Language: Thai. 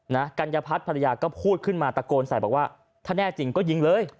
กัญญพัฒน์ภรรยาก็พูดขึ้นมาตะโกนใส่บอกว่าถ้าแน่จริงก็ยิงเลย